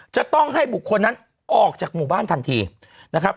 จะต้องให้บุคคลนั้นออกจากหมู่บ้านทันทีนะครับ